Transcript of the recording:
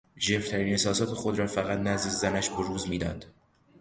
ژرفترین احساسات خود را فقط نزد زنش بروز میداد.